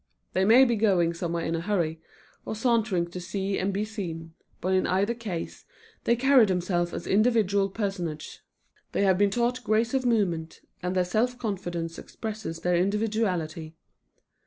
They may be going somewhere in a hurry, or sauntering to see and be seen, but in either case they carry themselves as individual personages. They have been taught grace of movement, and their self confidence expresses their individuality.